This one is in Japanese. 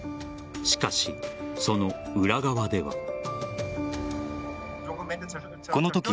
しかし、その裏側では。